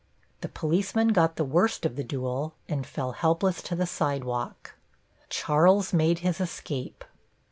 The policeman got the worst of the duel, and fell helpless to the sidewalk. Charles made his escape.